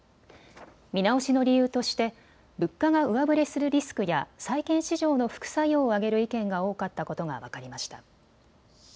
見直しの理由として物価が上振れするリスクや債券市場の副作用を挙げる意見が多かったことが分かりました。